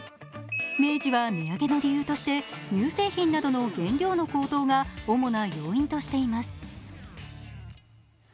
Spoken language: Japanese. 明治は値上げの理由として乳製品などの原料の高騰が主な要因としています。